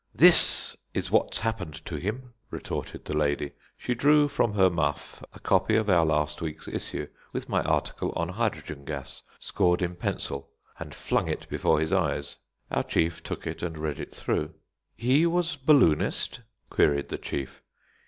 "This is what's happened to him," retorted the lady. She drew from her muff a copy of our last week's issue, with my article on hydrogen gas scored in pencil, and flung it before his eyes. Our chief took it and read it through. "He was 'Balloonist'?" queried the chief.